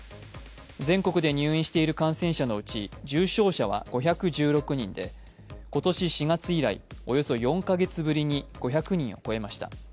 全国で入院している感染者のうち重症者は５１６人で今年４月以来、およそ４カ月ぶりに５００人を超えました。